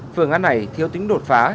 phường án này thiếu tính đột phá